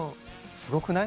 すごくない？